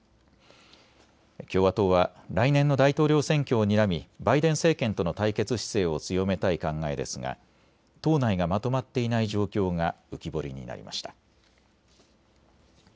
共和党は来年の大統領選挙をにらみバイデン政権との対決姿勢を強めたい考えですが党内がまとまっていない状況が浮き彫りになりました。